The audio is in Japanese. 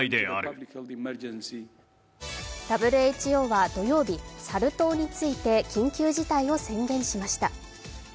ＷＨＯは土曜日、サル痘について緊急事態を宣言しました。